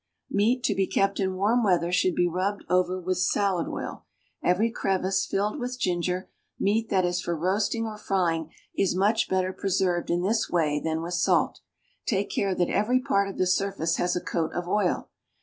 Meat to be kept in warm weather should be rubbed over with salad oil, every crevice filled with ginger; meat that is for roasting or frying is much better preserved in this way than with salt; take care that every part of the surface has a coat of oil.